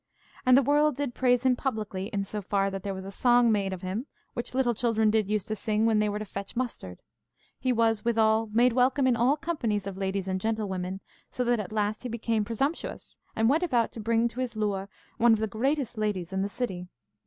And the world did praise him publicly, in so far that there was a song made of him, which little children did use to sing when they were to fetch mustard. He was withal made welcome in all companies of ladies and gentlewomen, so that at last he became presumptuous, and went about to bring to his lure one of the greatest ladies in the city.